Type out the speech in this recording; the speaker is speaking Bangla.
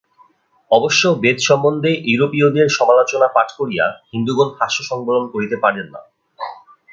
অবশ্য বেদ সম্বন্ধে ইউরোপীয়দের সমালোচনা পাঠ করিয়া হিন্দুগণ হাস্য সংবরণ করিতে পারেন না।